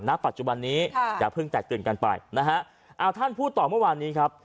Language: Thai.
ณปัจจุบันนี้ค่ะอย่าเพิ่งแตกตื่นกันไปนะฮะเอาท่านพูดต่อเมื่อวานนี้ครับ